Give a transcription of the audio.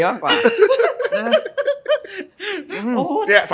มากกว่า